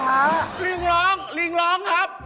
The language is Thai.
ไอ้ลิงมึงร้องนะ